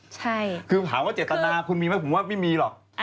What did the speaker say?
ใช่คือถามว่าเจตนาคุณมีไหมผมว่าไม่มีหรอก